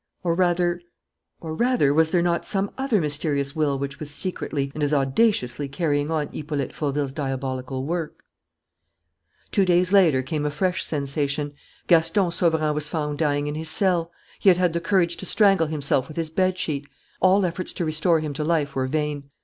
Or rather or rather, was there not some other mysterious will which was secretly and as audaciously carrying on Hippolyte Fauville's diabolical work? Two days later came a fresh sensation: Gaston Sauverand was found dying in his cell. He had had the courage to strangle himself with his bedsheet. All efforts to restore him to life were vain.